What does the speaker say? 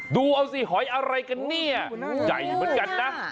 ดูเอาสิหอยอะไรกันเนี่ยใหญ่เหมือนกันนะ